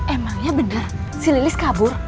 emangnya benar si lilis kabur